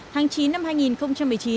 tháng chín năm hai nghìn một mươi chín